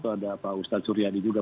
ada pak ustadz suryadi juga